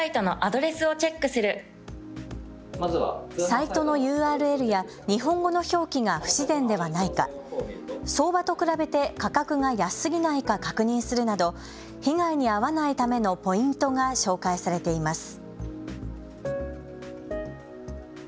サイトのＵＲＬや日本語の表記が不自然ではないか、相場と比べて価格が安すぎないか確認するなど被害に遭わないためのポイントが紹介されています。